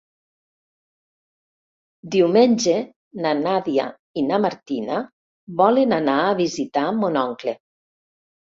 Diumenge na Nàdia i na Martina volen anar a visitar mon oncle.